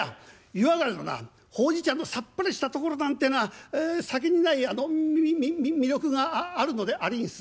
湯上がりのなほうじ茶のさっぱりしたところなんてえのは酒にないみ魅力がああるのでありんす」。